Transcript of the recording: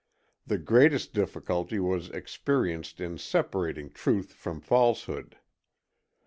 The greatest difficulty was experienced in separating truth from falsehood.